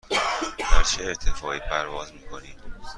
در چه ارتفاعی پرواز می کنیم؟